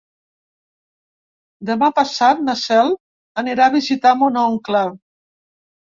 Demà passat na Cel anirà a visitar mon oncle.